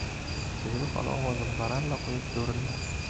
— Zebi xola ovozini baralla qo‘yib do‘rilladi.